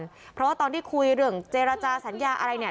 เพราะว่าตอนที่คุยเรื่องเจรจาสัญญาอะไรเนี่ย